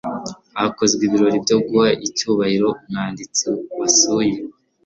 Hakozwe ibirori byo guha icyubahiro umwanditsi wasuye.